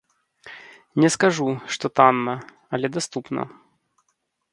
Не скажу, што танна, але даступна.